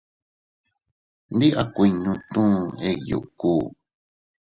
Ndi a kuinno tu iyuku.